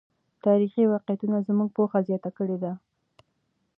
تاریخي واقعیتونه زموږ پوهه زیاته کړې ده.